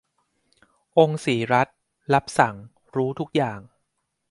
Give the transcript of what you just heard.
องค์ศรีรัศมิ์ รับสั่ง รู้ทุกอย่าง